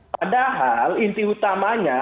padahal inti utamanya